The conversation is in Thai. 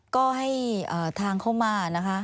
ก็ให้ทางเข้ามานะคะ